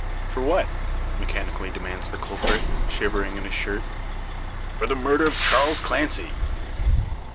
"For what?" mechanically demands the culprit, shivering in his shirt. "For the murder of Charles Clancy!"